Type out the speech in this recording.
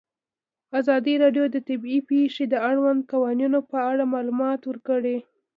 ازادي راډیو د طبیعي پېښې د اړونده قوانینو په اړه معلومات ورکړي.